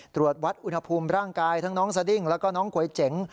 ตรวจวัดอุณหภูมิร่างกายทั้งน้องสดิ้งแล้วก็น้องก๋วยเจ๋ง